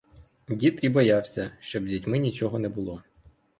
Дід і боявся, щоб з дітьми чого не було.